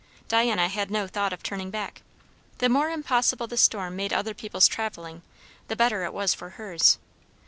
Diana had no thought of turning back; the more impossible the storm made other people's travelling, the better it was for hers.